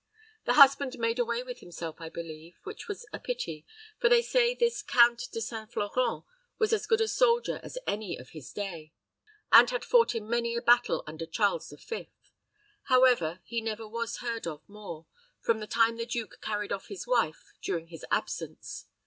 The husband made away with himself, I believe, which was a pity, for they say this Count De St. Florent was as good a soldier as any of his day, and had fought in many a battle under Charles the Fifth. However, he never was heard of more, from the time the duke carried off his wife, during his absence.